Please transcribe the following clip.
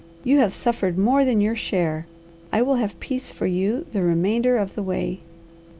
You have suffered more than your share. I will have peace for you the remainder of the way."